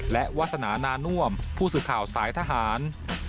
และวาสนานาน่วมผู้สื่อข่าวสายทหาร